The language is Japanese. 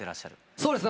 そうですね